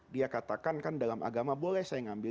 dia katakan kan dalam agama boleh saya ngambil